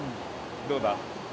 どうだ？